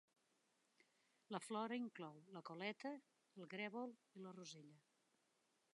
La flora inclou la coleta, el grèvol i la rosella.